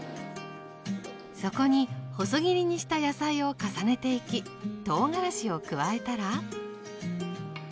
そこに細切りにした野菜を重ねていきとうがらしを加えたら。